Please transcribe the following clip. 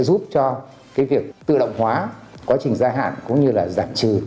giúp cho cái việc tự động hóa quá trình gia hạn cũng như là giảm trừ